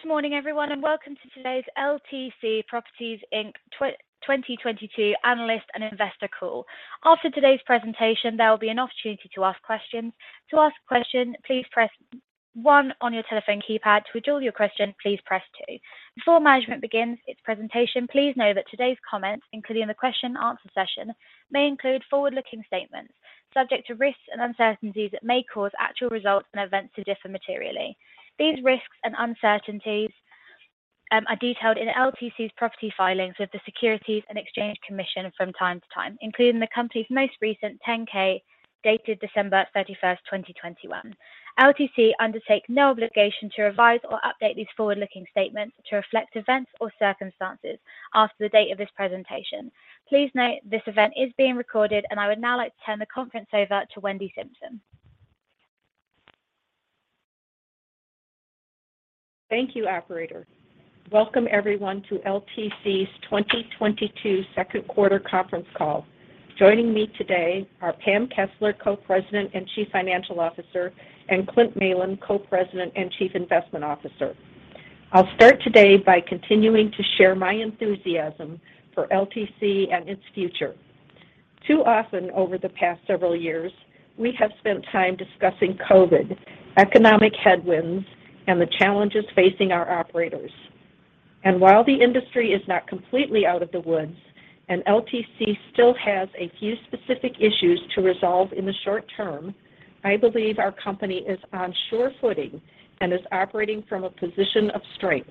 Good morning, everyone, and welcome to today's LTC Properties, Inc. 2022 Analyst and Investor Call. After today's presentation, there will be an opportunity to ask questions. To ask a question, please press one on your telephone keypad. To withdraw your question, please press two. Before management begins its presentation, please know that today's comments, including the question-and-answer session, may include forward-looking statements subject to risks and uncertainties that may cause actual results and events to differ materially. These risks and uncertainties are detailed in LTC's public filings with the Securities and Exchange Commission from time to time, including the company's most recent 10-K dated 31 December 2021. LTC undertakes no obligation to revise or update these forward-looking statements to reflect events or circumstances after the date of this presentation. Please note this event is being recorded and I would now like to turn the conference over to Wendy Simpson. Thank you, operator. Welcome everyone to LTC's 2022 Q2 conference call. Joining me today are Pam Kessler, Co-president and Chief Financial Officer, and Clint Malin, Co-president and Chief Investment Officer. I'll start today by continuing to share my enthusiasm for LTC and its future. Too often over the past several years, we have spent time discussing COVID, economic headwinds, and the challenges facing our operators. While the industry is not completely out of the woods and LTC still has a few specific issues to resolve in the short term, I believe our company is on sure footing and is operating from a position of strength.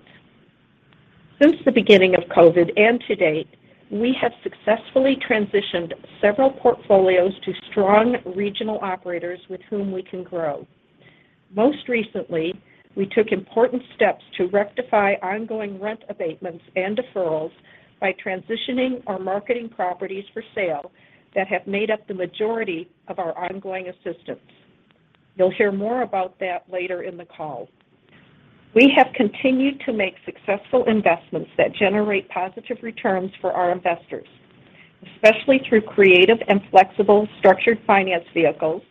Since the beginning of COVID and to date, we have successfully transitioned several portfolios to strong regional operators with whom we can grow. Most recently, we took important steps to rectify ongoing rent abatements and deferrals by transitioning our maturing properties for sale that have made up the majority of our ongoing abatements. You'll hear more about that later in the call. We have continued to make successful investments that generate positive returns for our investors. Especially through creative and flexible structured finance vehicles,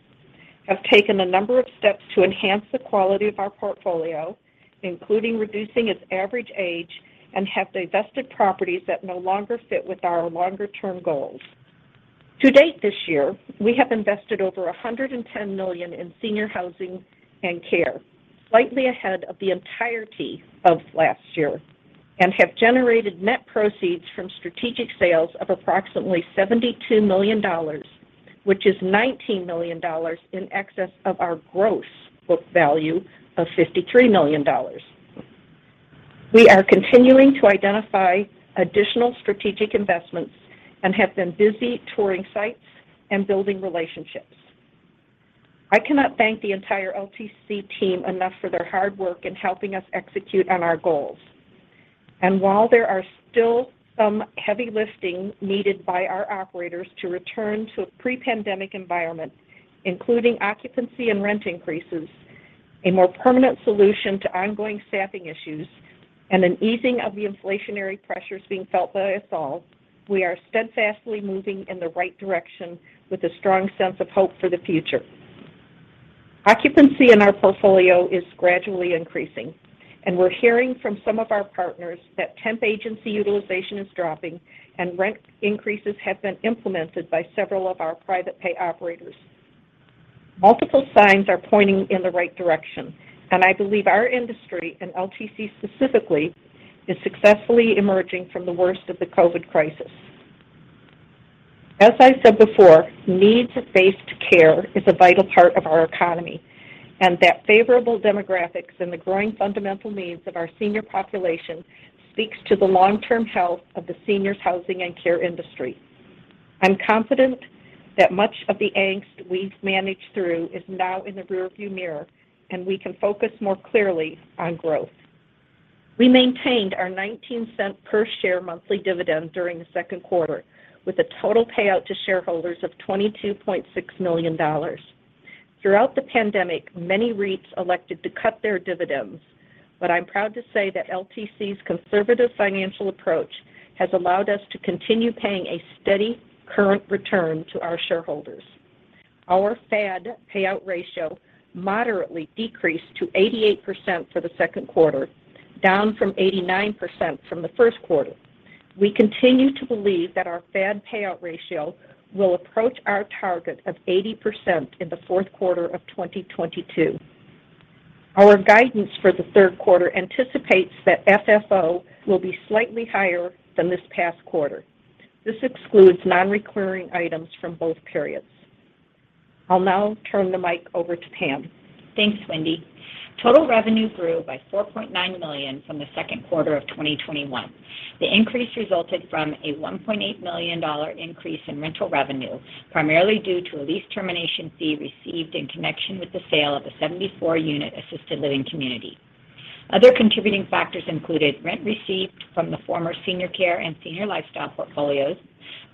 have taken a number of steps to enhance the quality of our portfolio, including reducing its average age, and have divested properties that no longer fit with our longer-term goals. To date this year, we have invested over $110 million in senior housing and care, slightly ahead of the entirety of last year, and have generated net proceeds from strategic sales of approximately $72 million, which is $19 million in excess of our gross book value of $53 million. We are continuing to identify additional strategic investments and have been busy touring sites and building relationships. I cannot thank the entire LTC team enough for their hard work in helping us execute on our goals. While there are still some heavy lifting needed by our operators to return to a pre-pandemic environment, including occupancy and rent increases, a more permanent solution to ongoing staffing issues, and an easing of the inflationary pressures being felt by us all, we are steadfastly moving in the right direction with a strong sense of hope for the future. Occupancy in our portfolio is gradually increasing, and we're hearing from some of our partners that temp agency utilization is dropping and rent increases have been implemented by several of our private pay operators. Multiple signs are pointing in the right direction, and I believe our industry, and LTC specifically, is successfully emerging from the worst of the COVID crisis. As I said before, needs-based care is a vital part of our economy, and that favorable demographics and the growing fundamental needs of our senior population speaks to the long-term health of the seniors housing and care industry. I'm confident that much of the angst we've managed through is now in the rearview mirror, and we can focus more clearly on growth. We maintained our $0.19 per share monthly dividend during the Q2, with a total payout to shareholders of $22.6 million. Throughout the pandemic, many REITs elected to cut their dividends, but I'm proud to say that LTC's conservative financial approach has allowed us to continue paying a steady current return to our shareholders. Our FAD payout ratio moderately decreased to 88% for the Q2, down from 89% from the Q1. We continue to believe that our FAD payout ratio will approach our target of 80% in the Q4 of 2022. Our guidance for the Q3 anticipates that FFO will be slightly higher than this past quarter. This excludes non-recurring items from both periods. I'll now turn the mic over to Pam. Thanks, Wendy. Total revenue grew by $4.9 million from the Q2 of 2021. The increase resulted from a $1.8 million increase in rental revenue, primarily due to a lease termination fee received in connection with the sale of a 74-unit assisted living community. Other contributing factors included rent received from the former Senior Care Centers and Senior Lifestyle portfolios,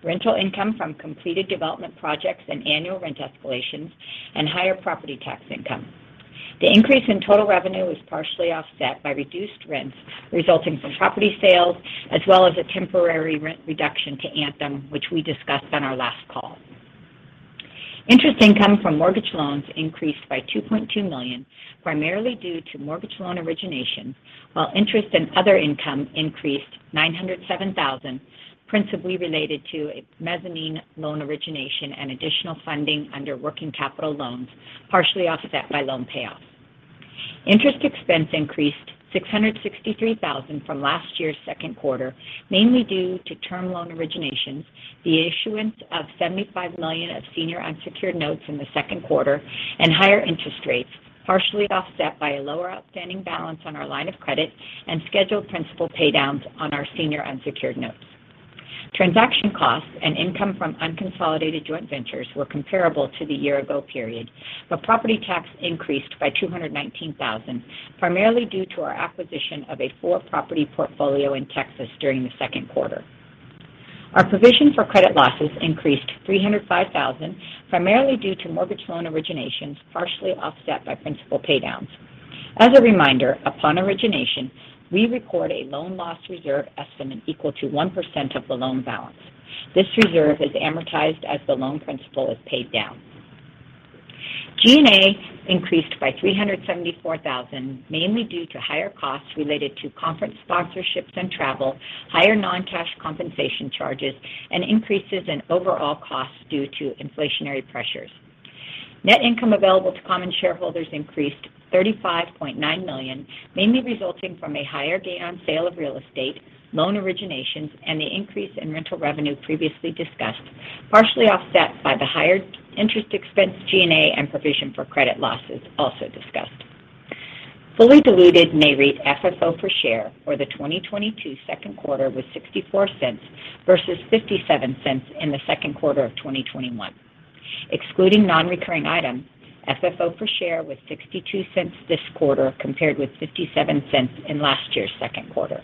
rental income from completed development projects and annual rent escalations, and higher property tax income. The increase in total revenue was partially offset by reduced rents resulting from property sales, as well as a temporary rent reduction to Anthem, which we discussed on our last call. Interest income from mortgage loans increased by $2.2 million primarily due to mortgage loan origination, while interest and other income increased $907,000 principally related to a mezzanine loan origination and additional funding under working capital loans partially offset by loan payoffs. Interest expense increased $663,000 from last year's Q2 mainly due to term loan originations, the issuance of $75 million of senior unsecured notes in the Q2, and higher interest rates partially offset by a lower outstanding balance on our line of credit and scheduled principal paydowns on our senior unsecured notes. Transaction costs and income from unconsolidated joint ventures were comparable to the year ago period, but property tax increased by $219,000 primarily due to our acquisition of a four-property portfolio in Texas during the Q2. Our provision for credit losses increased $305,000 primarily due to mortgage loan originations partially offset by principal paydowns. As a reminder, upon origination, we record a loan loss reserve estimate equal to 1% of the loan balance. This reserve is amortized as the loan principal is paid down. G&A increased by $374,000 mainly due to higher costs related to conference sponsorships and travel, higher non-cash compensation charges, and increases in overall costs due to inflationary pressures. Net income available to common shareholders increased $35.9 million mainly resulting from a higher gain on sale of real estate, loan originations, and the increase in rental revenue previously discussed partially offset by the higher interest expense, G&A, and provision for credit losses also discussed. Fully diluted Nareit FFO per share for the 2022 Q2 was $0.64 versus $0.57 in the Q2 of 2021. Excluding non-recurring items, FFO per share was $0.62 this quarter compared with $0.57 in last year's Q2.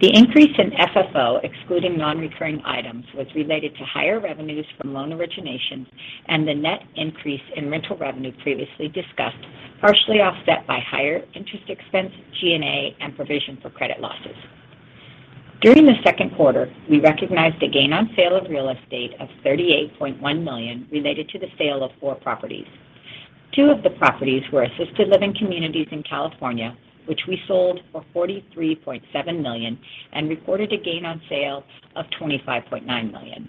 The increase in FFO excluding non-recurring items was related to higher revenues from loan originations and the net increase in rental revenue previously discussed partially offset by higher interest expense, G&A, and provision for credit losses. During the Q2, we recognized a gain on sale of real estate of $38.1 million related to the sale of four properties. Two of the properties were assisted living communities in California, which we sold for $43.7 million and recorded a gain on sale of $25.9 million.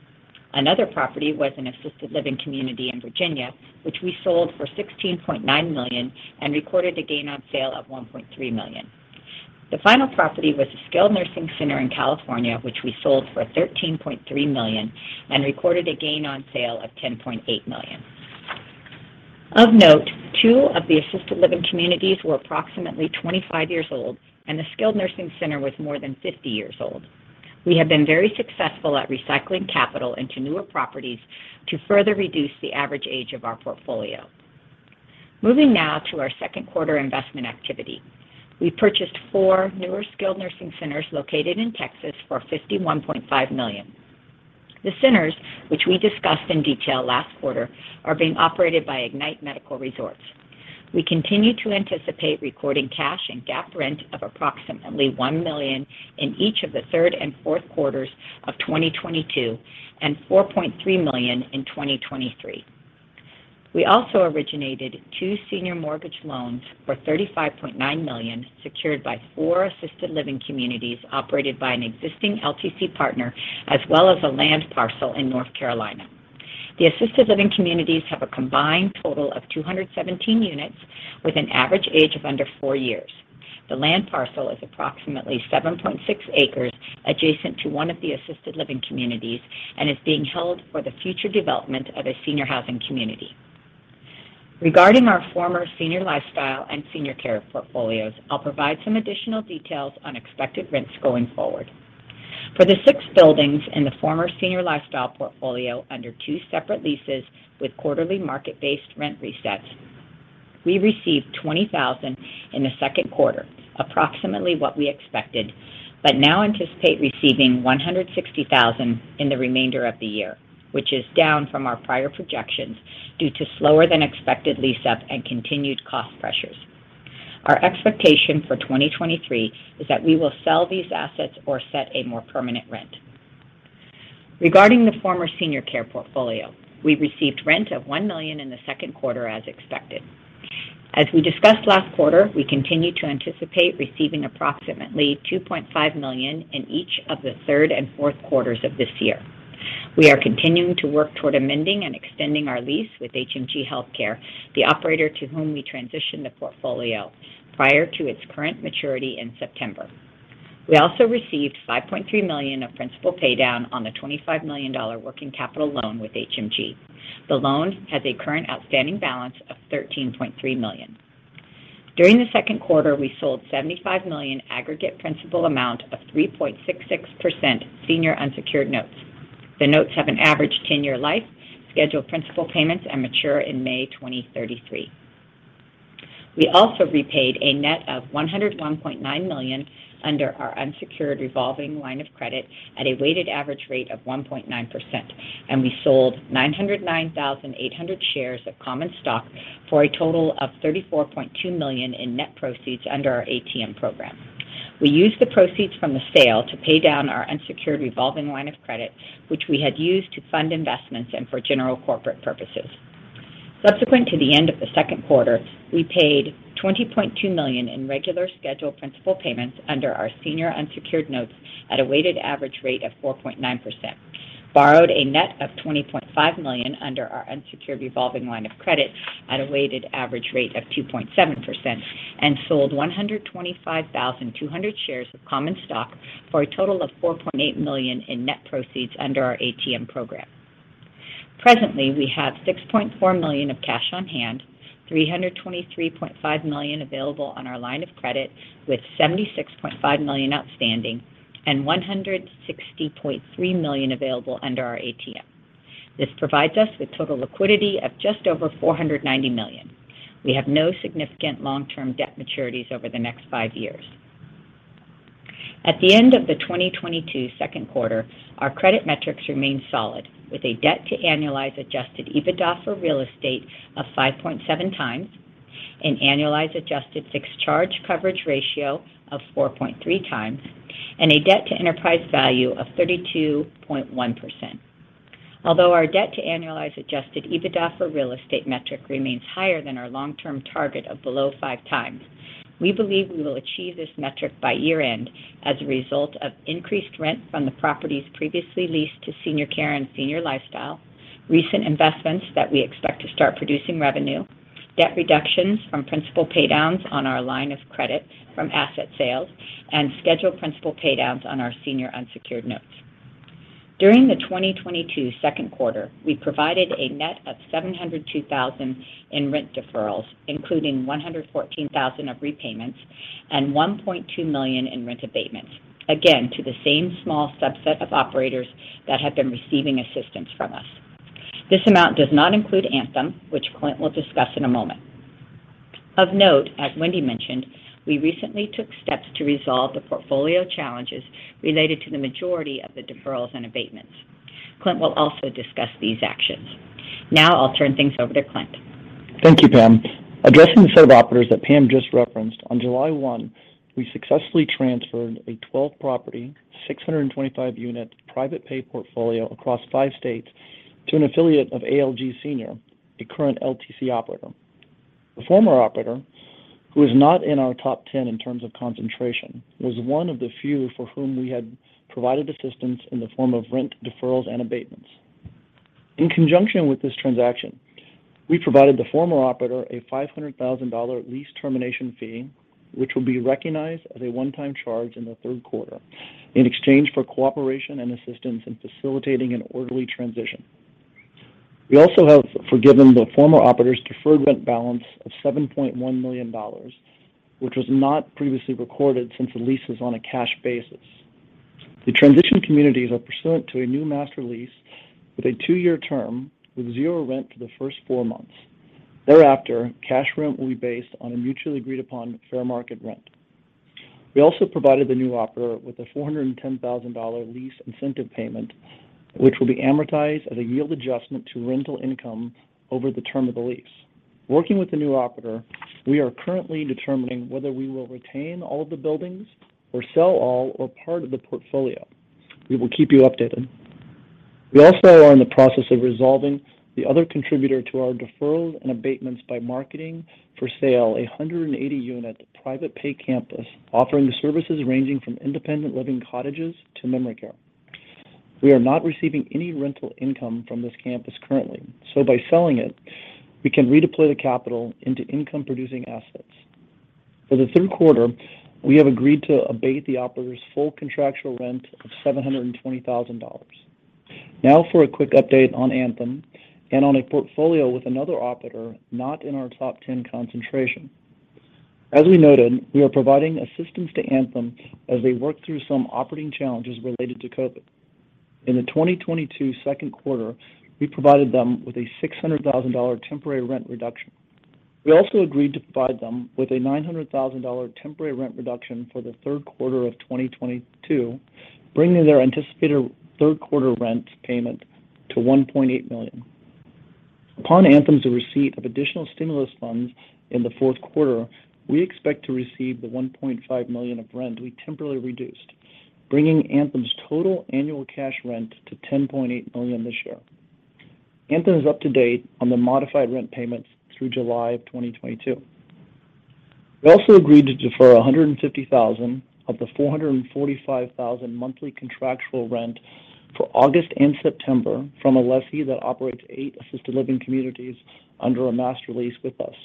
Another property was an assisted living community in Virginia, which we sold for $16.9 million and recorded a gain on sale of $1.3 million. The final property was a skilled nursing center in California, which we sold for $13.3 million and recorded a gain on sale of $10.8 million. Of note, two of the assisted living communities were approximately 25 years old and the skilled nursing center was more than 50 years old. We have been very successful at recycling capital into newer properties to further reduce the average age of our portfolio. Moving now to our Q2 investment activity. We purchased four newer skilled nursing centers located in Texas for $51.5 million. The centers, which we discussed in detail last quarter, are being operated by Ignite Medical Resorts. We continue to anticipate recording cash and GAAP rent of approximately $1 million in each of the third and Q4s of 2022 and $4.3 million in 2023. We also originated two senior mortgage loans for $35.9 million secured by four assisted living communities operated by an existing LTC partner as well as a land parcel in North Carolina. The assisted living communities have a combined total of 217 units with an average age of under four years. The land parcel is approximately 7.6 acres adjacent to one of the assisted living communities and is being held for the future development of a senior housing community. Regarding our former Senior Lifestyle and Senior Care Centers portfolios, I'll provide some additional details on expected rents going forward. For the six buildings in the former Senior Lifestyle portfolio under two separate leases with quarterly market-based rent resets, we received $20,000 in the Q2, approximately what we expected, but now anticipate receiving $160,000 in the remainder of the year, which is down from our prior projections due to slower than expected lease-up and continued cost pressures. Our expectation for 2023 is that we will sell these assets or set a more permanent rent. Regarding the former Senior Care Centers portfolio, we received rent of $1 million in the Q2 as expected. As we discussed last quarter, we continue to anticipate receiving approximately $2.5 million in each of the third and Q4s of this year. We are continuing to work toward amending and extending our lease with HMG Healthcare, the operator to whom we transitioned the portfolio prior to its current maturity in September. We also received $5.3 million of principal paydown on the $25 million working capital loan with HMG. The loan has a current outstanding balance of $13.3 million. During the Q2, we sold $75 million aggregate principal amount of 3.66% senior unsecured notes. The notes have an average 10-year life, scheduled principal payments, and mature in May 2033. We also repaid a net of $101.9 million under our unsecured revolving line of credit at a weighted average rate of 1.9%, and we sold 909,800 shares of common stock for a total of $34.2 million in net proceeds under our ATM program. We used the proceeds from the sale to pay down our unsecured revolving line of credit, which we had used to fund investments and for general corporate purposes. Subsequent to the end of the Q2, we paid $20.2 million in regular scheduled principal payments under our senior unsecured notes at a weighted average rate of 4.9%, borrowed a net of $20.5 million under our unsecured revolving line of credit at a weighted average rate of 2.7%, and sold 125,200 shares of common stock for a total of $4.8 million in net proceeds under our ATM program. Presently, we have $6.4 million of cash on hand, $323.5 million available on our line of credit with $76.5 million outstanding, and $160.3 million available under our ATM. This provides us with total liquidity of just over $490 million. We have no significant long-term debt maturities over the next five years. At the end of the 2022 Q2, our credit metrics remain solid with a debt to annualized adjusted EBITDA for real estate of 5.7 times, an annualized adjusted fixed charge coverage ratio of 4.3 times, and a debt to enterprise value of 32.1%. Although our debt to annualized adjusted EBITDA for real estate metric remains higher than our long-term target of below 5 times, we believe we will achieve this metric by year-end as a result of increased rent from the properties previously leased to Senior Care and Senior Lifestyle, recent investments that we expect to start producing revenue, debt reductions from principal paydowns on our line of credit from asset sales, and scheduled principal paydowns on our senior unsecured notes. During the 2022 Q2, we provided a net of $702,000 in rent deferrals, including $114,000 of repayments and $1.2 million in rent abatements, again, to the same small subset of operators that have been receiving assistance from us. This amount does not include Anthem, which Clint will discuss in a moment. Of note, as Wendy mentioned, we recently took steps to resolve the portfolio challenges related to the majority of the deferrals and abatements. Clint will also discuss these actions. Now I'll turn things over to Clint. Thank you, Pam. Addressing the set of operators that Pam just referenced, on July 1, we successfully transferred a 12-property, 625-unit private pay portfolio across 5 states to an affiliate of ALG Senior, a current LTC operator. The former operator, who is not in our top 10 in terms of concentration, was one of the few for whom we had provided assistance in the form of rent deferrals and abatements. In conjunction with this transaction, we provided the former operator a $500,000 lease termination fee, which will be recognized as a one-time charge in the Q3 in exchange for cooperation and assistance in facilitating an orderly transition. We also have forgiven the former operator's deferred rent balance of $7.1 million, which was not previously recorded since the lease is on a cash basis. The transition communities are pursuant to a new master lease with a 2-year term with zero rent for the first 4 months. Thereafter, cash rent will be based on a mutually agreed upon fair market rent. We also provided the new operator with a $410,000 lease incentive payment, which will be amortized as a yield adjustment to rental income over the term of the lease. Working with the new operator, we are currently determining whether we will retain all of the buildings or sell all or part of the portfolio. We will keep you updated. We also are in the process of resolving the other contributor to our deferrals and abatements by marketing for sale a 180-unit private pay campus offering services ranging from independent living cottages to memory care. We are not receiving any rental income from this campus currently, so by selling it, we can redeploy the capital into income-producing assets. For the Q3, we have agreed to abate the operator's full contractual rent of $720,000. Now for a quick update on Anthem and on a portfolio with another operator not in our top ten concentration. As we noted, we are providing assistance to Anthem as they work through some operating challenges related to COVID. In the 2022 Q2, we provided them with a $600,000 temporary rent reduction. We also agreed to provide them with a $900,000 temporary rent reduction for the Q3 of 2022, bringing their anticipated Q3 rent payment to $1.8 million. Upon Anthem's receipt of additional stimulus funds in the Q4, we expect to receive the $1.5 million of rent we temporarily reduced, bringing Anthem's total annual cash rent to $10.8 million this year. Anthem is up to date on the modified rent payments through July 2022. We also agreed to defer $150,000 of the $445,000 monthly contractual rent for August and September from a lessee that operates eight assisted living communities under a master lease with us.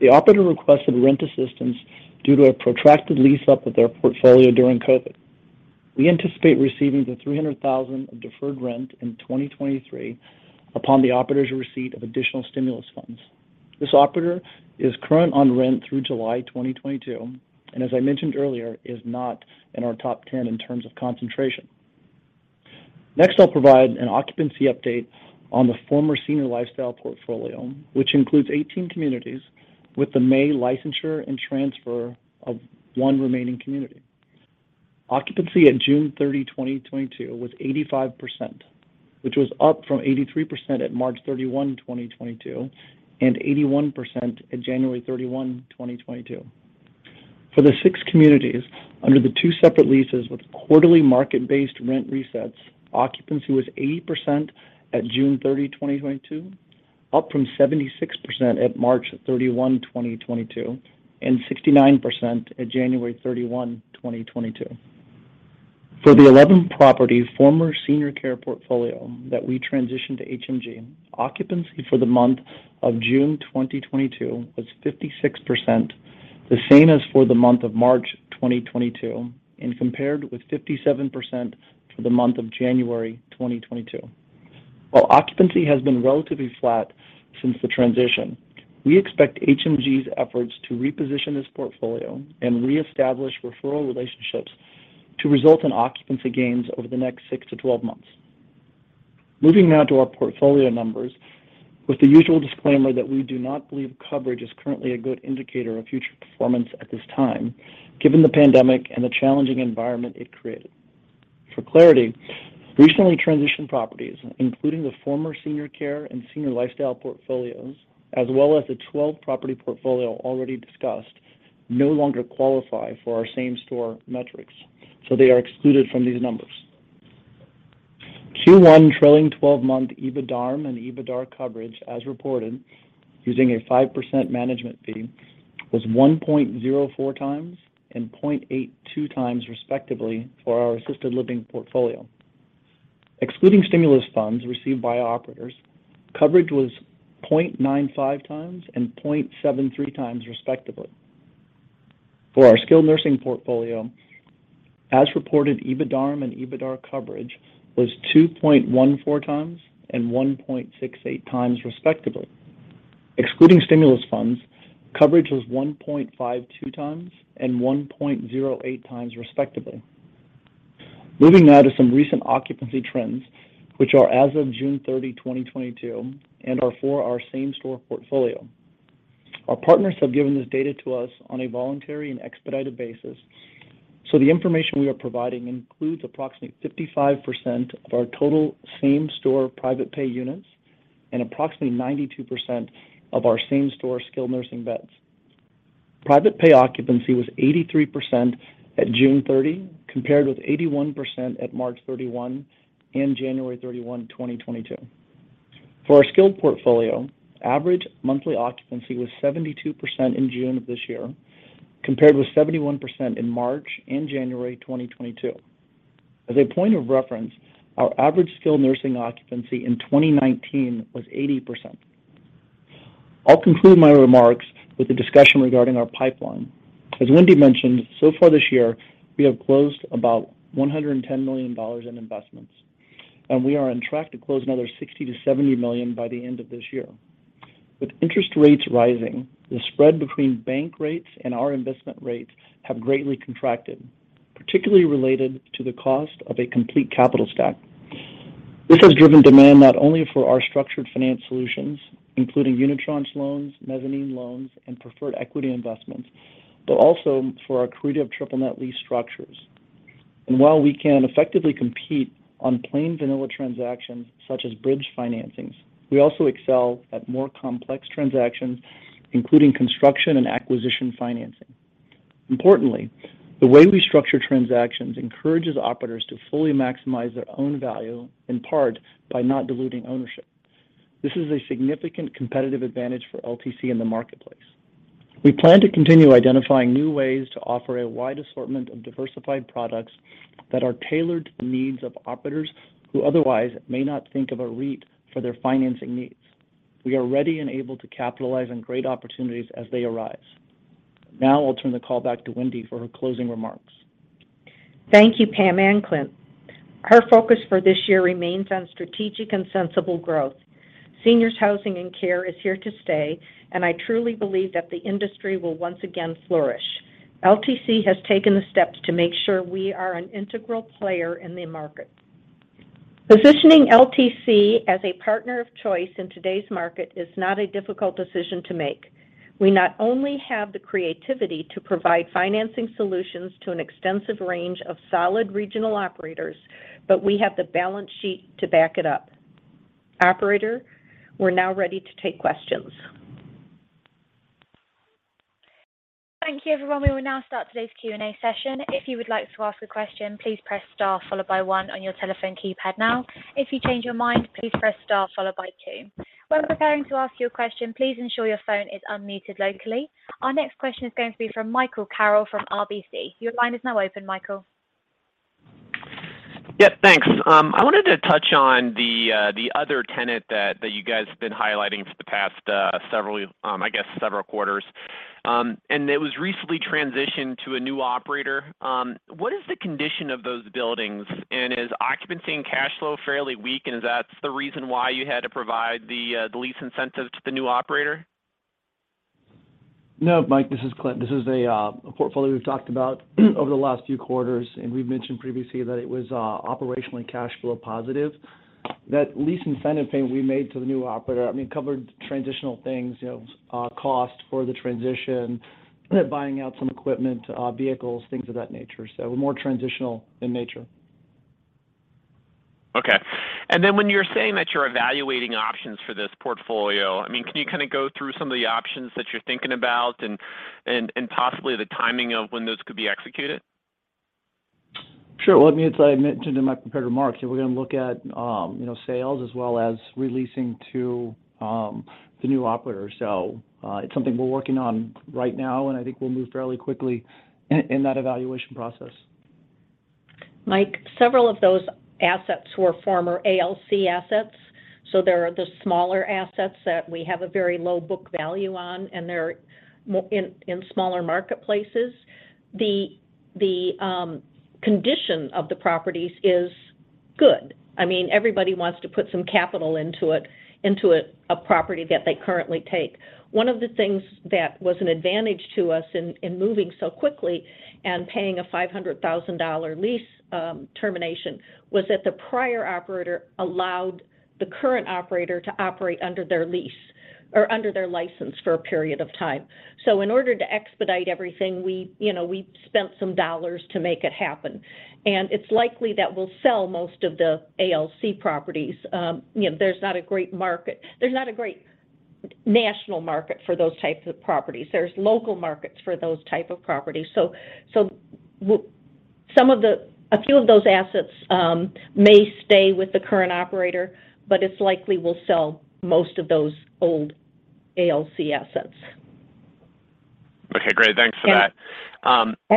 The operator requested rent assistance due to a protracted lease up of their portfolio during COVID. We anticipate receiving the $300,000 of deferred rent in 2023 upon the operator's receipt of additional stimulus funds. This operator is current on rent through July 2022, and as I mentioned earlier, is not in our top 10 in terms of concentration. Next, I'll provide an occupancy update on the former Senior Lifestyle portfolio, which includes 18 communities with the May licensure and transfer of one remaining community. Occupancy at 30 June 2022 was 85%, which was up from 83% at 31 March 2022, and 81% at 31 January 2022. For the 6 communities under the 2 separate leases with quarterly market-based rent resets, occupancy was 80% at 30 June 2022, up from 76% at 31 March 2022, and 69% at 31 January 2022. For the 11-property former Senior Care Centers portfolio that we transitioned to HMG, occupancy for the month of June 2022 was 56%, the same as for the month of March 2022, and compared with 57% for the month of January 2022. While occupancy has been relatively flat since the transition, we expect HMG's efforts to reposition this portfolio and reestablish referral relationships to result in occupancy gains over the next six to 12 months. Moving now to our portfolio numbers with the usual disclaimer that we do not believe coverage is currently a good indicator of future performance at this time, given the pandemic and the challenging environment it created. For clarity, recently transitioned properties, including the former Senior Care Centers and Senior Lifestyle portfolios, as well as the 12-property portfolio already discussed, no longer qualify for our same-store metrics, so they are excluded from these numbers. Q1 trailing twelve-month EBITDARM and EBITDAR coverage as reported using a 5% management fee was 1.04 times and 0.82 times, respectively, for our assisted living portfolio. Excluding stimulus funds received by operators, coverage was 0.95 times and 0.73 times, respectively. For our skilled nursing portfolio, as reported, EBITDARM and EBITDAR coverage was 2.14 times and 1.68 times, respectively. Excluding stimulus funds, coverage was 1.52 times and 1.08 times, respectively. Moving now to some recent occupancy trends, which are as of 30 June 2022, and are for our same-store portfolio. Our partners have given this data to us on a voluntary and expedited basis, so the information we are providing includes approximately 55% of our total same-store private pay units and approximately 92% of our same-store skilled nursing beds. Private pay occupancy was 83% at June 30, compared with 81% at March 31 and 31 January 2022. For our skilled portfolio, average monthly occupancy was 72% in June of this year, compared with 71% in March and January 2022. As a point of reference, our average skilled nursing occupancy in 2019 was 80%. I'll conclude my remarks with the discussion regarding our pipeline. As Wendy mentioned, so far this year, we have closed about $110 million in investments, and we are on track to close another $60 to 70 million by the end of this year. With interest rates rising, the spread between bank rates and our investment rates have greatly contracted, particularly related to the cost of a complete capital stack. This has driven demand not only for our structured finance solutions, including unitranche loans, mezzanine loans, and preferred equity investments, but also for our creative triple net lease structures. While we can effectively compete on plain vanilla transactions such as bridge financings, we also excel at more complex transactions, including construction and acquisition financing. Importantly, the way we structure transactions encourages operators to fully maximize their own value, in part by not diluting ownership. This is a significant competitive advantage for LTC in the marketplace. We plan to continue identifying new ways to offer a wide assortment of diversified products that are tailored to the needs of operators who otherwise may not think of a REIT for their financing needs. We are ready and able to capitalize on great opportunities as they arise. Now I'll turn the call back to Wendy for her closing remarks. Thank you, Pam and Clint. Our focus for this year remains on strategic and sensible growth. Seniors' housing and care is here to stay, and I truly believe that the industry will once again flourish. LTC has taken the steps to make sure we are an integral player in the market. Positioning LTC as a partner of choice in today's market is not a difficult decision to make. We not only have the creativity to provide financing solutions to an extensive range of solid regional operators, but we have the balance sheet to back it up. Operator, we're now ready to take questions. Thank you, everyone. We will now start today's Q&A session. If you would like to ask a question, please press star followed by one on your telephone keypad now. If you change your mind, please press star followed by two. When preparing to ask your question, please ensure your phone is unmuted locally. Our next question is going to be from Michael Carroll from RBC. Your line is now open, Michael. Yep. Thanks. I wanted to touch on the other tenant that you guys have been highlighting for the past several quarters. It was recently transitioned to a new operator. What is the condition of those buildings, and is occupancy and cash flow fairly weak, and is that the reason why you had to provide the lease incentive to the new operator? No, Mike, this is Clint. This is a portfolio we've talked about over the last few quarters, and we've mentioned previously that it was operationally cash flow positive. That lease incentive payment we made to the new operator, I mean, covered transitional things, you know, cost for the transition, buying out some equipment, vehicles, things of that nature. More transitional in nature. Okay. When you're saying that you're evaluating options for this portfolio, I mean, can you kind of go through some of the options that you're thinking about and possibly the timing of when those could be executed? Sure. Well, I mean, it's. I mentioned in my prepared remarks, you know, we're gonna look at, you know, sales as well as leasing to the new operator. It's something we're working on right now, and I think we'll move fairly quickly in that evaluation process. Mike, several of those assets were former ALC assets, so they are the smaller assets that we have a very low book value on, and they're in smaller marketplaces. The condition of the properties is good. I mean, everybody wants to put some capital into it, into a property that they currently take. One of the things that was an advantage to us in moving so quickly and paying a $500,000 lease termination was that the prior operator allowed the current operator to operate under their lease or under their license for a period of time. In order to expedite everything, you know, we spent some dollars to make it happen. It's likely that we'll sell most of the ALC properties. You know, there's not a great market. There's not a great national market for those types of properties. There's local markets for those types of properties. A few of those assets may stay with the current operator, but it's likely we'll sell most of those old ALC assets. Okay, great. Thanks for that.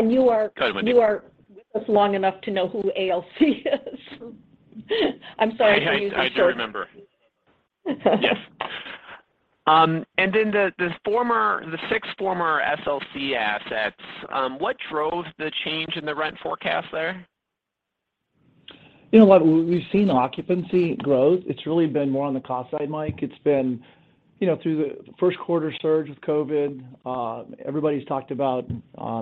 You are- Go ahead, Wendy. You are with us long enough to know who ALG is. I'm sorry to use the short- I do remember. Yes. The six former SLC assets, what drove the change in the rent forecast there? You know what? We've seen occupancy growth. It's really been more on the cost side, Mike. It's been, you know, through the Q1 surge with COVID. Everybody's talked about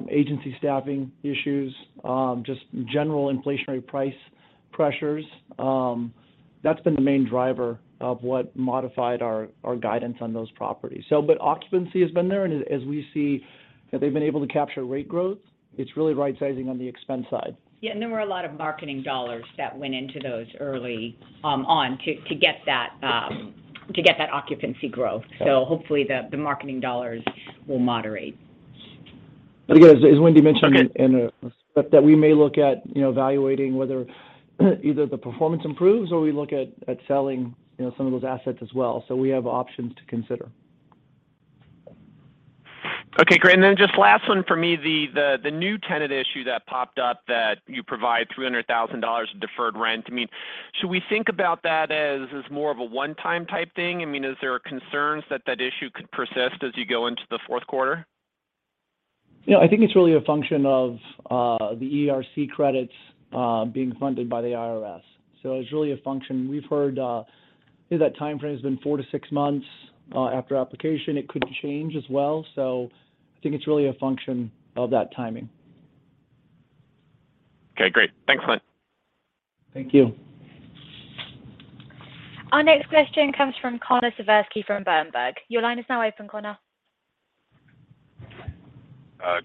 agency staffing issues, just general inflationary price pressures. That's been the main driver of what modified our guidance on those properties. But occupancy has been there, and as we see that they've been able to capture rate growth, it's really right-sizing on the expense side. Yeah, there were a lot of marketing dollars that went into those early on to get that occupancy growth. Hopefully the marketing dollars will moderate. Again, as Wendy mentioned in the script, that we may look at, you know, evaluating whether either the performance improves or we look at selling, you know, some of those assets as well. We have options to consider. Okay, great. Just last one for me, the new tenant issue that popped up that you provide $300,000 of deferred rent, I mean, should we think about that as more of a one-time type thing? I mean, is there concerns that issue could persist as you go into the Q4? You know, I think it's really a function of the ERC credits being funded by the IRS. It's really a function. We've heard maybe that timeframe has been 4-6 months after application. It could change as well. I think it's really a function of that timing. Okay, great. Thanks, Clint. Thank you. Our next question comes from Connor Sivers from Berenberg. Your line is now open, Connor.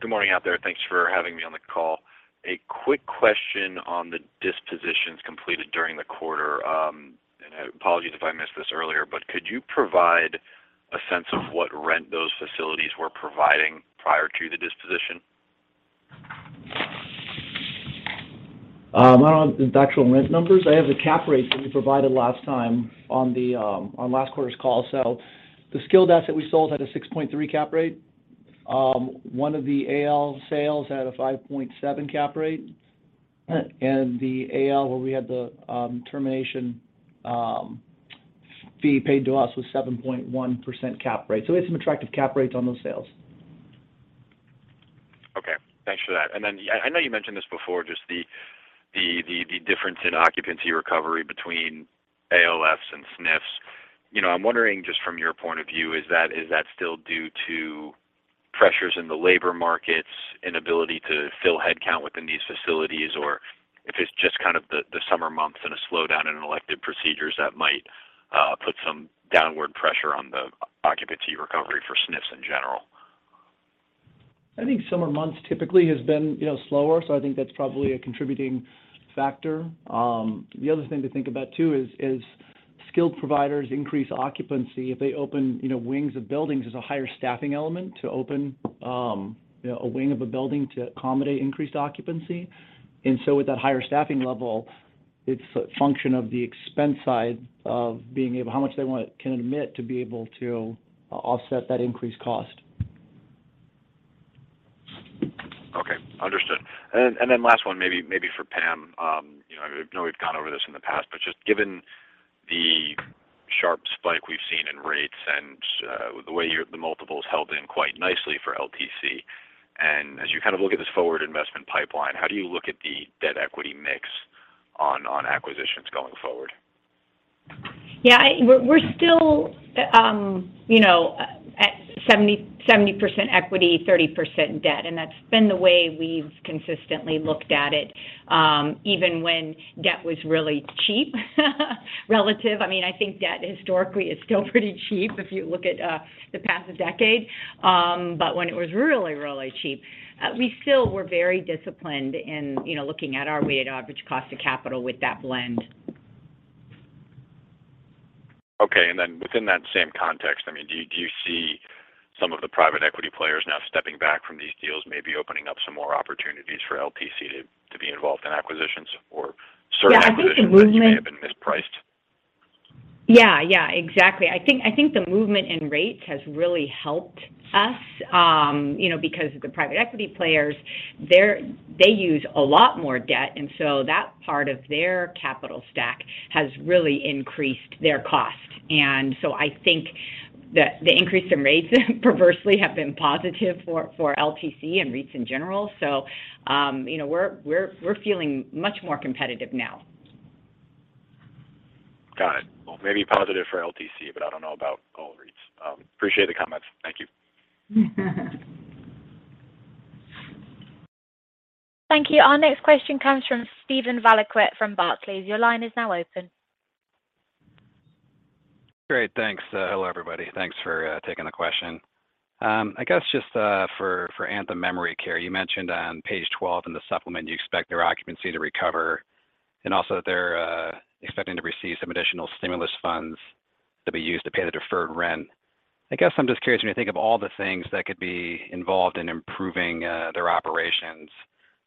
Good morning out there. Thanks for having me on the call. A quick question on the dispositions completed during the quarter. Apologies if I missed this earlier, but could you provide a sense of what rent those facilities were providing prior to the disposition? I don't have the actual rent numbers. I have the cap rates that we provided last time on last quarter's call. The skilled asset we sold had a 6.3 cap rate. One of the AL sales had a 5.7 cap rate. The AL where we had the termination fee paid to us was 7.1% cap rate. We had some attractive cap rates on those sales. Okay. Thanks for that. I know you mentioned this before, just the difference in occupancy recovery between ALFs and SNFs. You know, I'm wondering just from your point of view, is that still due to pressures in the labor markets, inability to fill headcount within these facilities, or if it's just kind of the summer months and a slowdown in elective procedures that might put some downward pressure on the occupancy recovery for SNFs in general? I think summer months typically has been, you know, slower, so I think that's probably a contributing factor. The other thing to think about too is skilled providers increase occupancy. If they open, you know, wings of buildings, there's a higher staffing element to open, you know, a wing of a building to accommodate increased occupancy. With that higher staffing level, it's a function of the expense side of can admit to be able to offset that increased cost. Okay. Understood. Last one, maybe for Pam. You know, I know we've gone over this in the past, but just given the sharp spike we've seen in rates and the way your multiples held in quite nicely for LTC, and as you kind of look at this forward investment pipeline, how do you look at the debt equity mix on acquisitions going forward? Yeah. We're still, you know, at 70% equity, 30% debt. That's been the way we've consistently looked at it, even when debt was really cheap. Relatively. I mean, I think debt historically is still pretty cheap if you look at the past decade. When it was really, really cheap, we still were very disciplined in, you know, looking at our weighted average cost of capital with that blend. Okay. Within that same context, I mean, do you see some of the private equity players now stepping back from these deals maybe opening up some more opportunities for LTC to be involved in acquisitions or certain acquisitions? Yeah, I think the movement. that may have been mispriced? Yeah. Yeah. Exactly. I think the movement in rates has really helped us, you know, because the private equity players, they use a lot more debt, and so that part of their capital stack has really increased their costs. I think the increase in rates perversely have been positive for LTC and REITs in general. You know, we're feeling much more competitive now. Got it. Well, maybe positive for LTC, but I don't know about all REITs. Appreciate the comments. Thank you. Thank you. Our next question comes from Steven Valiquette from Barclays. Your line is now open. Great. Thanks. Hello, everybody. Thanks for taking the question. I guess just for Anthem Memory Care, you mentioned on page 12 in the supplement you expect their occupancy to recover, and also that they're expecting to receive some additional stimulus funds to be used to pay the deferred rent. I guess I'm just curious, when you think of all the things that could be involved in improving their operations,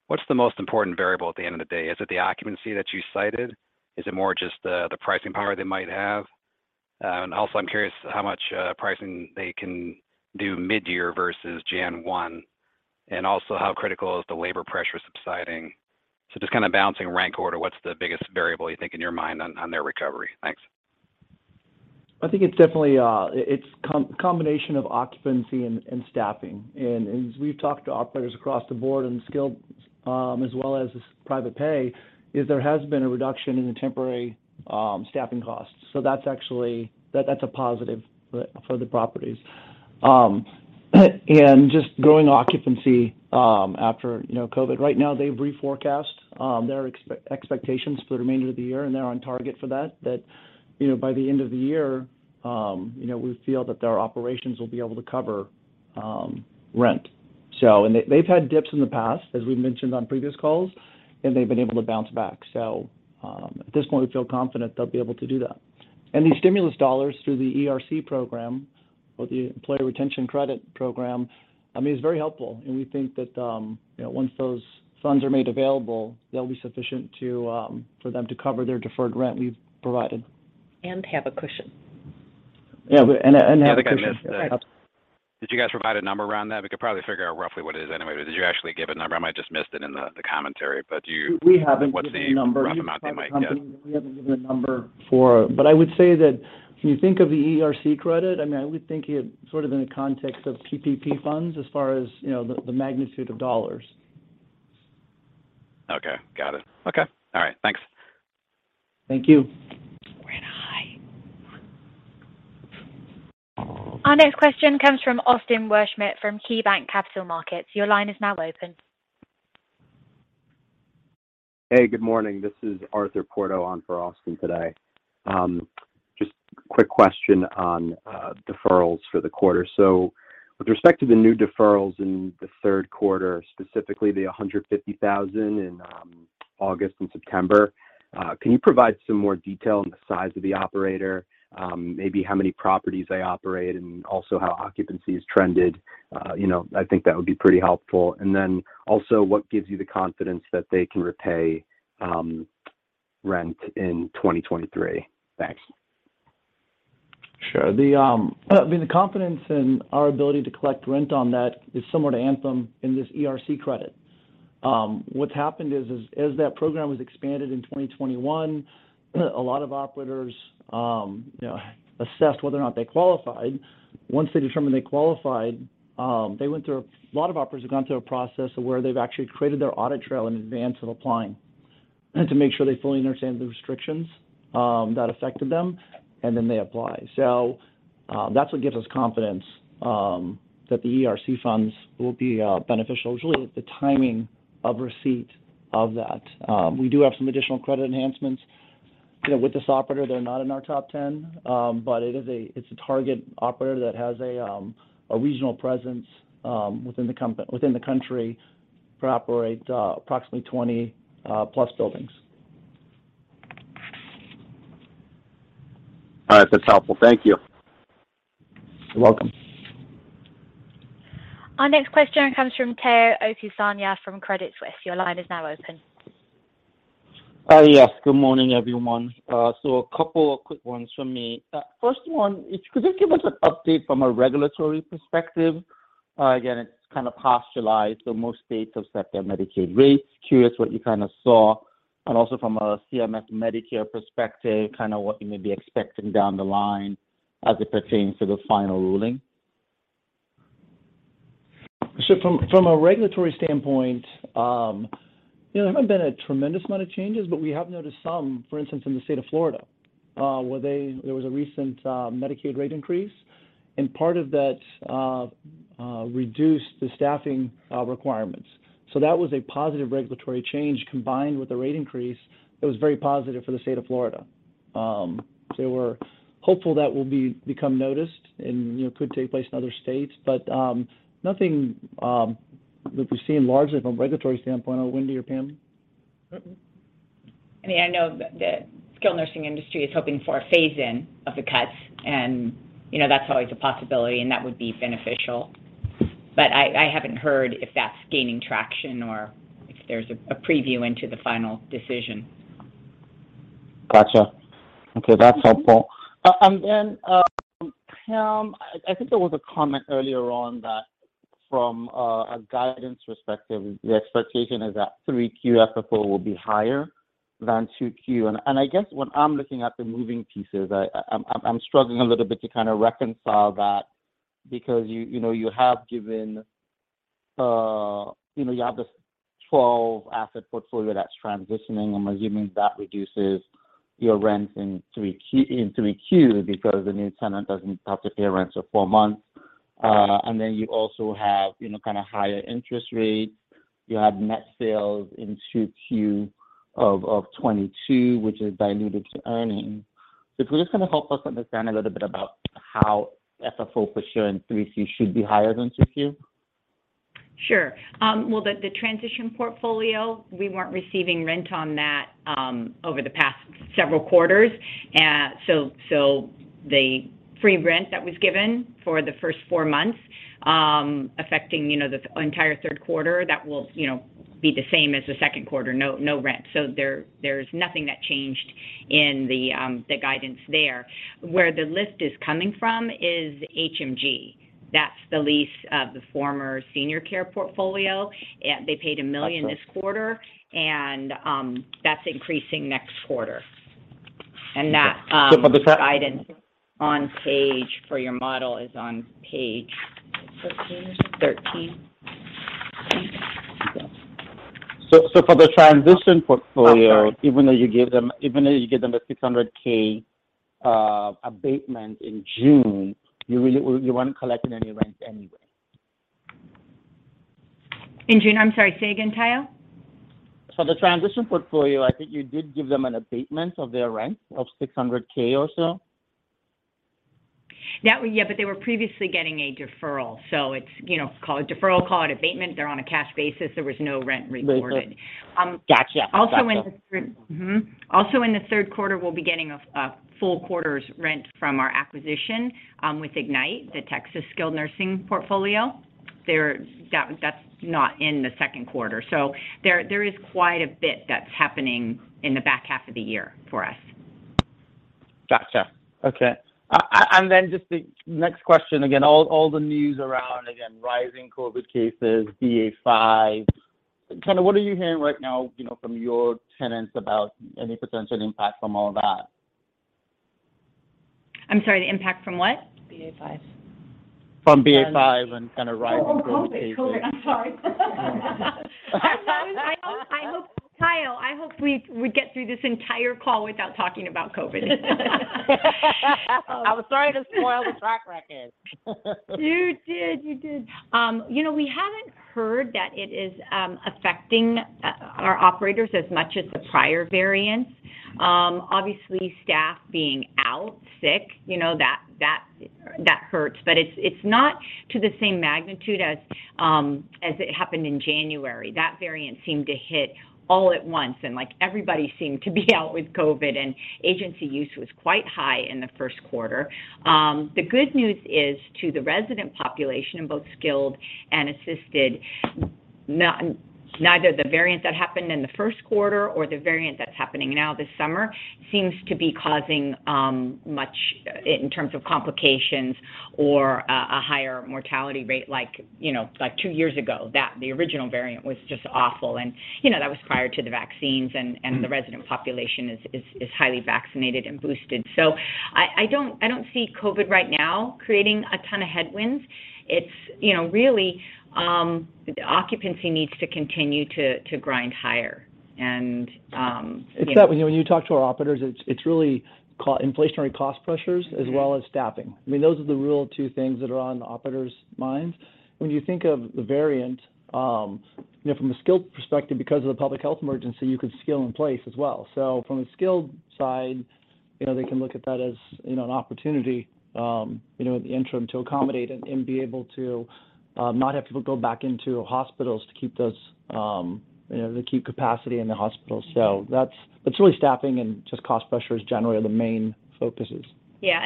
what's the most important variable at the end of the day? Is it the occupancy that you cited? Is it more just the pricing power they might have? And also, I'm curious how much pricing they can do mid-year versus January 1, and also how critical is the labor pressure subsiding? Just kind of balancing rank order, what's the biggest variable you think in your mind on their recovery? Thanks. I think it's definitely a combination of occupancy and staffing. As we've talked to operators across the board on skilled as well as private pay, there has been a reduction in the temporary staffing costs. That's actually a positive for the properties. Just growing occupancy after you know COVID. Right now, they've reforecast their expectations for the remainder of the year, and they're on target for that you know by the end of the year you know we feel that their operations will be able to cover rent. They've had dips in the past, as we've mentioned on previous calls, and they've been able to bounce back. At this point, we feel confident they'll be able to do that. These stimulus dollars through the ERC program or the Employee Retention Credit program, I mean, it's very helpful, and we think that, you know, once those funds are made available, they'll be sufficient to, for them to cover their deferred rent we've provided. Have a cushion. Have a cushion. Yeah. Did you guys provide a number around that? We could probably figure out roughly what it is anyway. Did you actually give a number? I might have just missed it in the commentary, but do you- We haven't given a number. What's a rough amount you might guess? We haven't given a number for it. I would say that when you think of the ERC credit, I mean, I would think it sort of in the context of PPP funds as far as, you know, the magnitude of dollars. Okay. Got it. Okay. All right. Thanks. Thank you. We're in a high. Our next question comes from Austin Wurschmidt from KeyBanc Capital Markets. Your line is now open. Hey, good morning. This is Arthur Porto on for Austin today. Just quick question on deferrals for the quarter. With respect to the new deferrals in the Q3, specifically the $150,000 in August and September, can you provide some more detail on the size of the operator, maybe how many properties they operate and also how occupancy has trended? You know, I think that would be pretty helpful. Then also what gives you the confidence that they can repay rent in 2023? Thanks. Sure. I mean, the confidence in our ability to collect rent on that is similar to Anthem in this ERC credit. What's happened is as that program was expanded in 2021, a lot of operators, you know, assessed whether or not they qualified. Once they determined they qualified, a lot of operators have gone through a process of where they've actually created their audit trail in advance of applying to make sure they fully understand the restrictions that affected them, and then they apply. That's what gives us confidence that the ERC funds will be beneficial. It's really the timing of receipt of that. We do have some additional credit enhancements. You know, with this operator, they're not in our top ten, but it's a target operator that has a regional presence within the country to operate approximately 20 plus buildings. All right. That's helpful. Thank you. You're welcome. Our next question comes from Omotayo Okusanya from Credit Suisse. Your line is now open. Yes. Good morning, everyone. A couple of quick ones from me. First one is, could you give us an update from a regulatory perspective? Again, it's kind of finalized, so most states have set their Medicaid rates. Curious what you kind of saw. Also from a CMS Medicare perspective, kind of what you may be expecting down the line as it pertains to the final ruling. From a regulatory standpoint, you know, there haven't been a tremendous amount of changes, but we have noticed some, for instance, in the state of Florida, where there was a recent Medicaid rate increase. Part of that reduced the staffing requirements. That was a positive regulatory change combined with the rate increase, it was very positive for the state of Florida. We're hopeful that will become noticed and, you know, could take place in other states. Nothing that we're seeing largely from a regulatory standpoint. Wendy or Pam? I mean, I know the skilled nursing industry is hoping for a phase-in of the cuts, and, you know, that's always a possibility, and that would be beneficial. I haven't heard if that's gaining traction or if there's a preview into the final decision. Gotcha. Okay, that's helpful. Pam, I think there was a comment earlier on that from a guidance perspective, the expectation is that 3Q FFO will be higher than 2Q. I guess when I'm looking at the moving pieces, I'm struggling a little bit to kind of reconcile that because you know, you have given, you know, you have this 12-asset portfolio that's transitioning. I'm assuming that reduces your rent in 3Q because the new tenant doesn't have to pay rent for four months. You also have, you know, kind of higher interest rates. You have net sales in 2Q of $22, which is diluted to earnings. If you just kind a help us understand a little bit about how FFO per share in 3Q should be higher than 2Q? Sure. Well, the transition portfolio, we weren't receiving rent on that over the past several quarters. The free rent that was given for the first four months, affecting you know, the entire Q3, that will you know, be the same as the Q2, no rent. There's nothing that changed in the guidance there. Where the lift is coming from is HMG. That's the lease of the former Senior Care Centers portfolio. They paid $1 million this quarter, and that's increasing next quarter. And that So for the- Guidance on page, for your model, is on page. 14. 13. For the transition portfolio. I'm sorry. Even though you gave them the $600K abatement in June, you really weren't collecting any rent anyway. In June? I'm sorry. Say again, Tayo. For the transition portfolio, I think you did give them an abatement of their rent of $600K or so. Yeah, but they were previously getting a deferral. It's, you know, call it deferral, call it abatement, they're on a cash basis, there was no rent reported. Gotcha. Also in the Q3, we'll be getting a full quarter's rent from our acquisition with Ignite, the Texas skilled nursing portfolio. That's not in the Q2. There is quite a bit that's happening in the back half of the year for us. Gotcha. Okay. Just the next question. Again, all the news around rising COVID cases, BA.5. Kinda what are you hearing right now, you know, from your tenants about any potential impact from all that? I'm sorry, the impact from what? From BA.5 and kind a rising COVID cases. Oh, COVID. I'm sorry. I know. Tayo, I hoped we would get through this entire call without talking about COVID. I'm sorry to spoil the track record. You did. You know, we haven't heard that it is affecting our operators as much as the prior variants. Obviously staff being out sick, you know, that hurts. But it's not to the same magnitude as it happened in January. That variant seemed to hit all at once, and like everybody seemed to be out with COVID, and agency use was quite high in the Q1. The good news is to the resident population in both skilled and assisted, neither the variant that happened in the Q1 or the variant that's happening now this summer seems to be causing much in terms of complications or a higher mortality rate like, you know, like two years ago. The original variant was just awful and, you know, that was prior to the vaccines and the resident population is highly vaccinated and boosted. I don't see COVID right now creating a ton of headwinds. It's, you know, really occupancy needs to continue to grind higher and, you know. It's that. When you talk to our operators, it's really COVID inflationary cost pressures as well as staffing. I mean, those are the real two things that are on the operators' minds. When you think of the variant, you know, from a skilled perspective, because of the public health emergency, you could skill in place as well. From a skilled side, you know, they can look at that as, you know, an opportunity, you know, in the interim to accommodate and be able to not have people go back into hospitals to keep those, you know, to keep capacity in the hospitals. That's it's really staffing and just cost pressures generally are the main focuses. Yeah.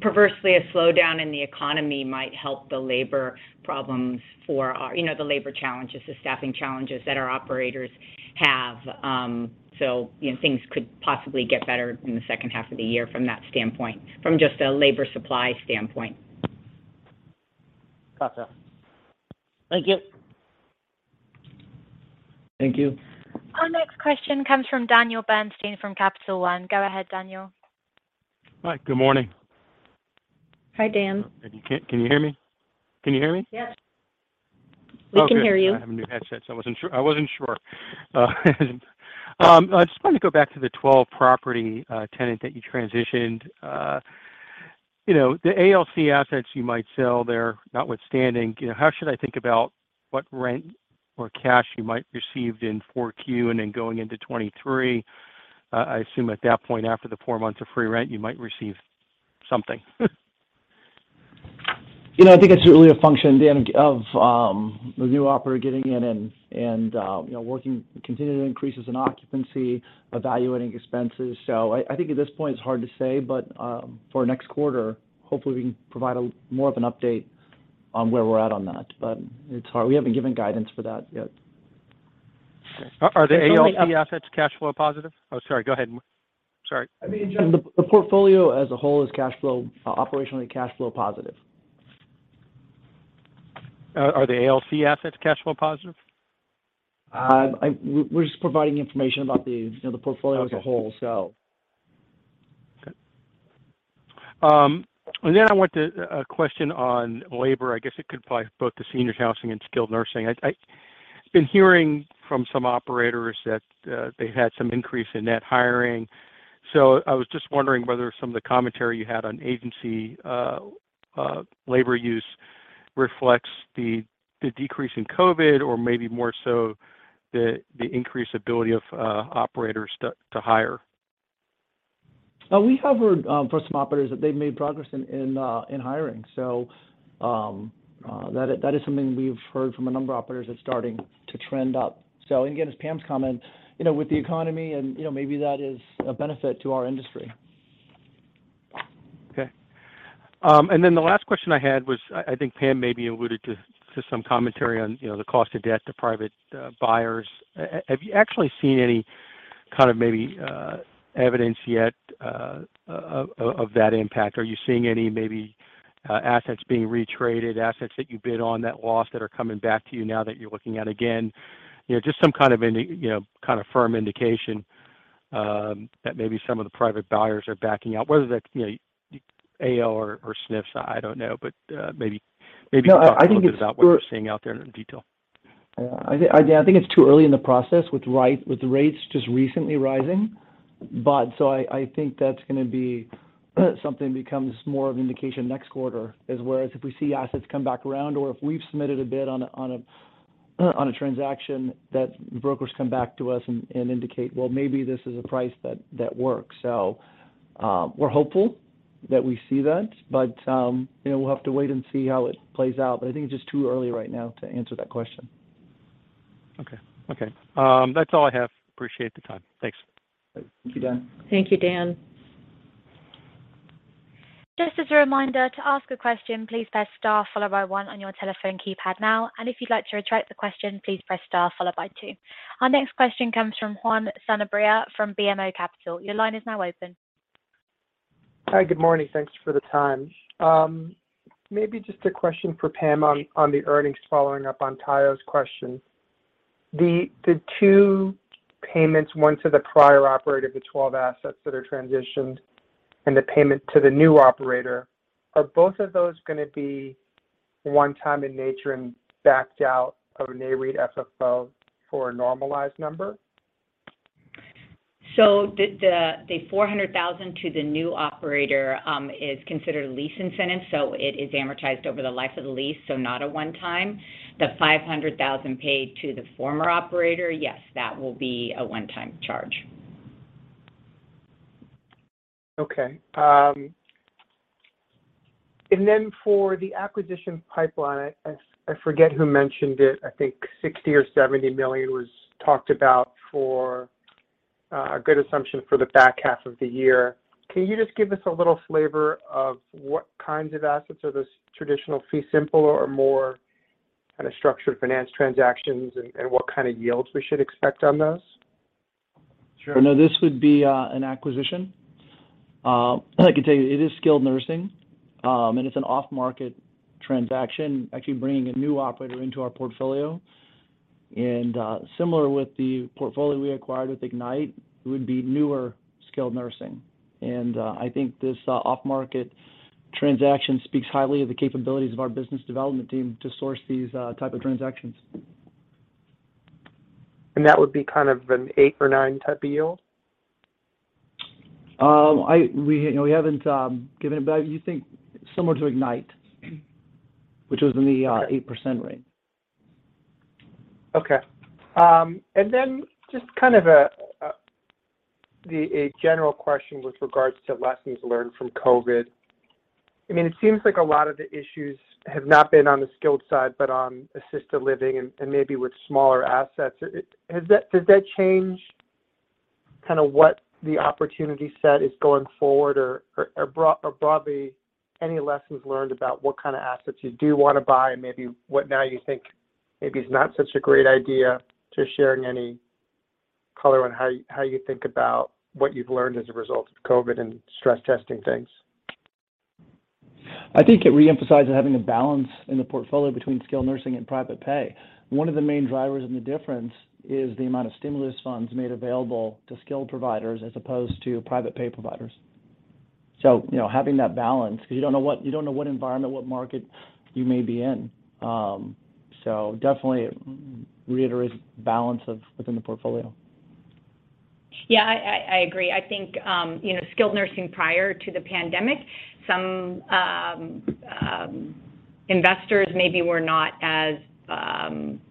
Perversely, a slowdown in the economy might help the labor problems for our, you know, the labor challenges, the staffing challenges that our operators have. You know, things could possibly get better in the H2 of the year from that standpoint, from just a labor supply standpoint. Gotcha. Thank you. Thank you. Our next question comes from Daniel Bernstein from Capital One. Go ahead, Daniel. Hi. Good morning. Hi, Dan. Can you hear me? Can you hear me? Yes. We can hear you. I have a new headset, so I wasn't sure. I just wanted to go back to the 12-property tenant that you transitioned. You know, the ALC assets you might sell there notwithstanding, you know, how should I think about what rent or cash you might receive in 4Q and then going into 2023? I assume at that point, after the 4 months of free rent, you might receive something. You know, I think it's really a function, Dan, of the new operator getting in and you know, working to continue the increases in occupancy, evaluating expenses. I think at this point, it's hard to say, but for next quarter, hopefully we can provide a more of an update on where we're at on that. It's hard. We haven't given guidance for that yet. Are the ALC assets cash flow positive? Oh, sorry, go ahead. Sorry. I mean, in general, the portfolio as a whole is cash flow, operationally cash flow positive. Are the ALC assets cash flow positive? We're just providing information about the, you know, the portfolio as a whole, so. Okay. I want to ask a question on labor. I guess it could apply to both the senior housing and skilled nursing. I've been hearing from some operators that they've had some increase in net hiring. I was just wondering whether some of the commentary you had on agency labor use reflects the decrease in COVID or maybe more so the increased ability of operators to hire. We have heard from some operators that they've made progress in hiring. That is something we've heard from a number of operators that's starting to trend up. Again, as Pam's comment, you know, with the economy and, you know, maybe that is a benefit to our industry. Okay. The last question I had was, I think Pam maybe alluded to some commentary on, you know, the cost of debt to private buyers. Have you actually seen any kind of maybe evidence yet of that impact? Are you seeing any maybe assets being re-traded, assets that you bid on that lost that are coming back to you now that you're looking at again? You know, just some kind of you know, kind of firm indication that maybe some of the private buyers are backing out, whether that's, you know, AL or SNF, I don't know. Maybe you can talk a little bit about what you're seeing out there in detail. Yeah. I think it's too early in the process with the rates just recently rising. I think that's gonna be something becomes more of an indication next quarter, whereas if we see assets come back around or if we've submitted a bid on a transaction that brokers come back to us and indicate, well, maybe this is a price that works. We're hopeful that we see that, but, you know, we'll have to wait and see how it plays out. I think it's just too early right now to answer that question. Okay. That's all I have. Appreciate the time. Thanks. Thank you, Dan. Thank you, Dan. Just as a reminder, to ask a question, please press star followed by one on your telephone keypad now. If you'd like to retract a question, please press star followed by two. Our next question comes from Juan Sanabria from BMO Capital Markets. Your line is now open. Hi, good morning. Thanks for the time. Maybe just a question for Pam on the earnings, following up on Tayo's question. The two payments, one to the prior operator, the 12 assets that are transitioned, and the payment to the new operator, are both of those gonna be one time in nature and backed out of a Nareit FFO for a normalized number? The $400,000 to the new operator is considered a lease incentive, so it is amortized over the life of the lease, so not one-time. The $500,000 paid to the former operator, yes, that will be a one-time charge. Okay. Then for the acquisition pipeline, I forget who mentioned it, I think $60 to 70 million was talked about for a good assumption for the back half of the year. Can you just give us a little flavor of what kinds of assets? Are those traditional fee simple or more kind of structured finance transactions, and what kind of yields we should expect on those? Sure. No, this would be an acquisition. I can tell you it is skilled nursing, and it's an off-market transaction, actually bringing a new operator into our portfolio. Similar with the portfolio we acquired with Ignite, it would be newer skilled nursing. I think this off-market transaction speaks highly of the capabilities of our business development team to source these types of transactions. That would be kind of an 8 or 9 type of yield? You know, we haven't given it, but you think similar to Ignite, which was in the 8% range. Okay. A general question with regards to lessons learned from COVID. I mean, it seems like a lot of the issues have not been on the skilled side, but on assisted living and maybe with smaller assets. Does that change kind of what the opportunity set is going forward or broadly, any lessons learned about what kind of assets you do wanna buy and maybe what now you think is not such a great idea? Just sharing any color on how you think about what you've learned as a result of COVID and stress testing things. I think it reemphasized having a balance in the portfolio between skilled nursing and private pay. One of the main drivers in the difference is the amount of stimulus funds made available to skilled providers as opposed to private pay providers. You know, having that balance, because you don't know what environment, what market you may be in. Definitely reiterate balance of, within the portfolio. Yeah, I agree. I think you know, skilled nursing prior to the pandemic, some investors maybe were not as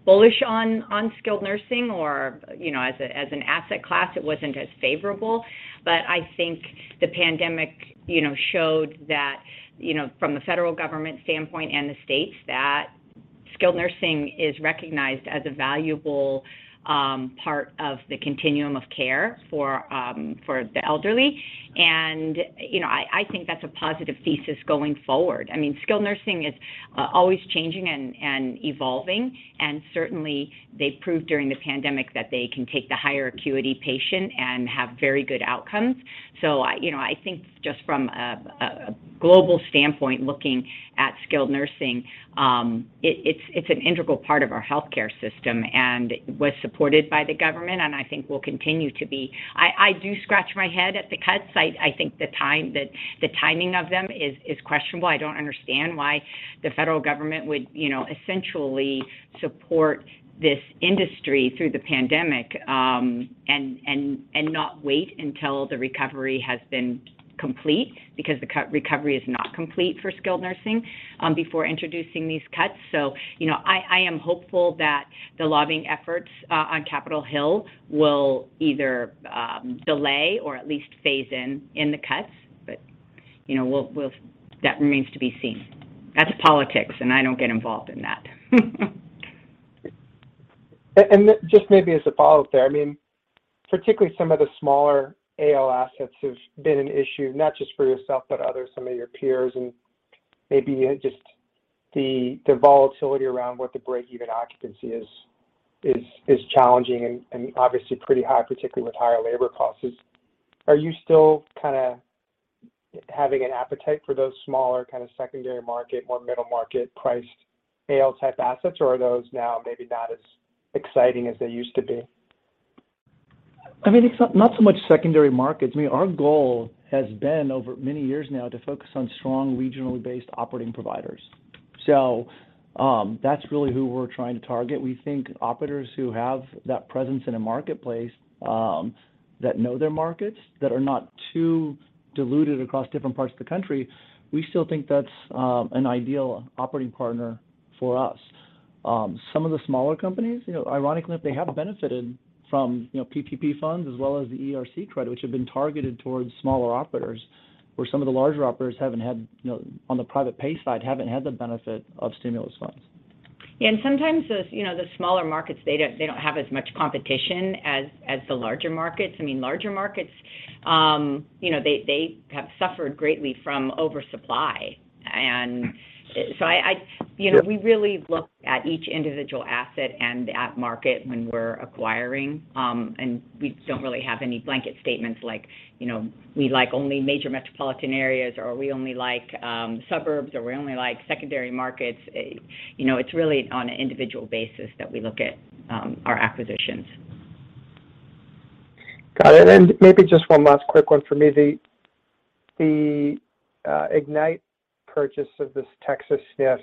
bullish on skilled nursing or, you know, as an asset class, it wasn't as favorable. I think the pandemic you know, showed that you know, from the federal government standpoint and the states, that skilled nursing is recognized as a valuable part of the continuum of care for the elderly. You know, I think that's a positive thesis going forward. I mean, skilled nursing is always changing and evolving, and certainly they proved during the pandemic that they can take the higher acuity patient and have very good outcomes. I, you know, I think just from a global standpoint, looking at skilled nursing, it's an integral part of our healthcare system and was supported by the government, and I think will continue to be. I do scratch my head at the cuts. I think the timing of them is questionable. I don't understand why the federal government would, you know, essentially support this industry through the pandemic, and not wait until the recovery has been complete, because the recovery is not complete for skilled nursing, before introducing these cuts. I am hopeful that the lobbying efforts on Capitol Hill will either delay or at least phase in the cuts. We'll. That remains to be seen. That's politics, and I don't get involved in that. Just maybe as a follow-up there, I mean, particularly some of the smaller AL assets have been an issue, not just for yourself, but others, some of your peers, and maybe just the volatility around what the break-even occupancy is challenging and obviously pretty high, particularly with higher labor costs. Are you still kind of having an appetite for those smaller kind of secondary market, more middle market priced AL type assets, or are those now maybe not as exciting as they used to be? I mean, it's not so much secondary markets. I mean, our goal has been over many years now to focus on strong regionally based operating providers. That's really who we're trying to target. We think operators who have that presence in a marketplace, that know their markets, that are not too diluted across different parts of the country. We still think that's an ideal operating partner for us. Some of the smaller companies, you know, ironically, they have benefited from, you know, PPP funds as well as the ERC credit, which have been targeted towards smaller operators, where some of the larger operators haven't had, you know, on the private pay side, haven't had the benefit of stimulus funds. Yeah. Sometimes those, you know, the smaller markets, they don't have as much competition as the larger markets. I mean, larger markets, you know, they have suffered greatly from oversupply. I you know, we really look at each individual asset and at market when we're acquiring. We don't really have any blanket statements like, you know, we like only major metropolitan areas or we only like suburbs or we only like secondary markets. You know, it's really on an individual basis that we look at our acquisitions. Got it. Maybe just one last quick one for me. The Ignite purchase of this Texas SNF.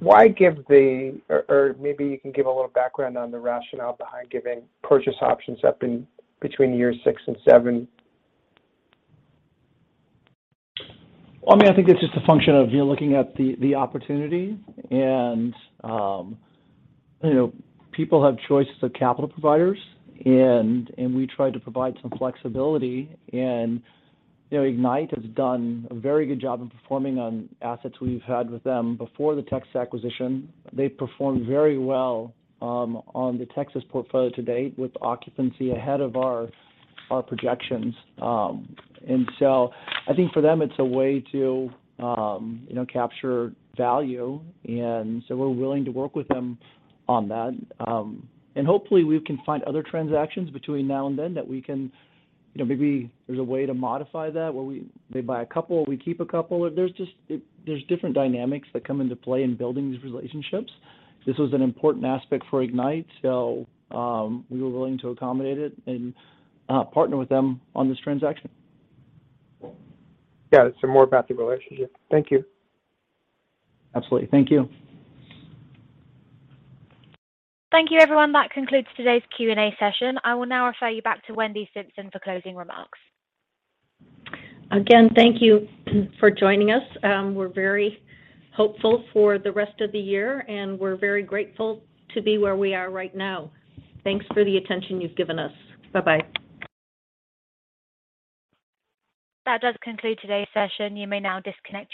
Or maybe you can give a little background on the rationale behind giving purchase options up in between years 6 and 7. Well, I mean, I think it's just a function of, you know, looking at the opportunity and, you know, people have choices of capital providers, and we try to provide some flexibility. You know, Ignite has done a very good job of performing on assets we've had with them before the Texas acquisition. They performed very well on the Texas portfolio to date with occupancy ahead of our projections. I think for them it's a way to, you know, capture value, and so we're willing to work with them on that. Hopefully we can find other transactions between now and then that we can, you know, maybe there's a way to modify that, where they buy a couple, we keep a couple. There are different dynamics that come into play in building these relationships. This was an important aspect for Ignite, so we were willing to accommodate it and partner with them on this transaction. Got it. More about the relationship. Thank you. Absolutely. Thank you. Thank you, everyone. That concludes today's Q&A session. I will now refer you back to Wendy Simpson for closing remarks. Again, thank you for joining us. We're very hopeful for the rest of the year, and we're very grateful to be where we are right now. Thanks for the attention you've given us. Bye-bye. That does conclude today's session. You may now disconnect.